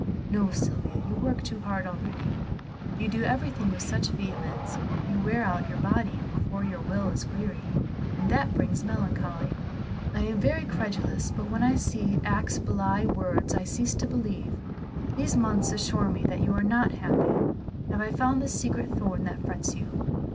"No, Sylvia, you work too hard already; you do everything with such vehemence you wear out your body before your will is weary, and that brings melancholy. I am very credulous, but when I see that acts belie words I cease to believe. These months assure me that you are not happy; have I found the secret thorn that frets you?"